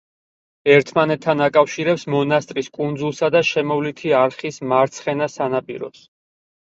ერთმანეთთან აკავშირებს მონასტრის კუნძულსა და შემოვლითი არხის მარცხენა სანაპიროს.